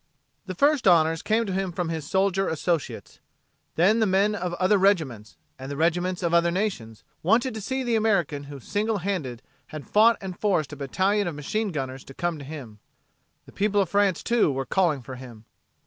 The first honors came to him from his soldier associates. Then the men of other regiments, and the regiments of other nations, wanted to see the American who single handed had fought and forced a battalion of machine gunners to come to him. The people of France, too, were calling for him.